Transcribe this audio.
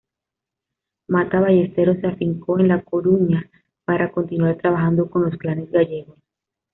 Matta Ballesteros se afincó en La Coruña para continuar trabajando con los clanes gallegos.